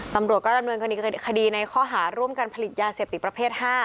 ตำรวจก็ดำเนินคดีในข้อหาร่วมกันผลิตยาเสพติดประเภท๕